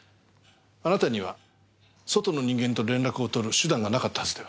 あなたには外の人間と連絡を取る手段がなかったはずでは？